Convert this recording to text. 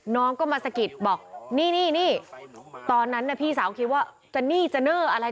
น้องก็มาสะกิดบอกนี่นี่ตอนนั้นพี่สาวคิดว่าจะนี่จะเนอร์อะไร